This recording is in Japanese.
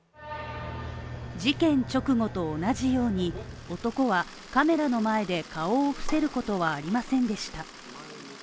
事件直後と同じように男はカメラの前で、顔を伏せることはありませんでした。